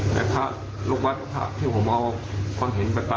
แล้วกันกี่วันแล้วครับ